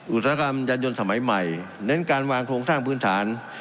อุตสาหกรรมยานยนต์สมัยใหม่เน้นการวางโครงสร้างพื้นฐาน